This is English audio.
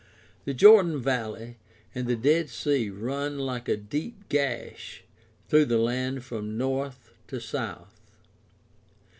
The Jordan Valley and the Dead Sea run like a deep gash through the land from north to south.